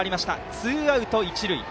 ツーアウト、一塁。